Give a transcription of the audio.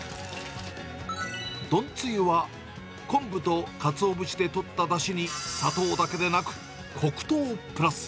丼つゆは昆布とかつお節で取っただしに、砂糖だけでなく、黒糖をプラス。